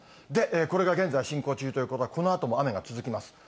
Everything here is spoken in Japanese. これが現在進行中ということは、このあとも雨が続きます。